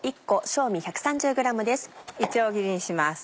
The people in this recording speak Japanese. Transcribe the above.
いちょう切りにします